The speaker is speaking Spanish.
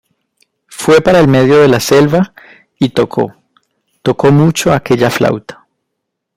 Fue para el medio de la selva y tocó, tocó mucho aquella flauta.